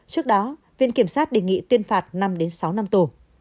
trước đó viện kiểm sát đề nghị tuyên phạt năm sáu năm tù